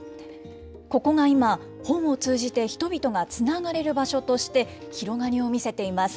ここが今、本を通じて人々がつながれる場所として広がりを見せています。